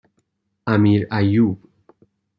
امیرایوب